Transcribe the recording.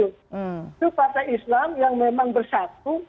itu partai islam yang memang bersatu